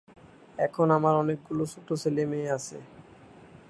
এখন আমার অনেকগুলো ছোট ছেলে-মেয়ে আছে।